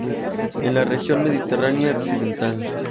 En la región mediterránea occidental.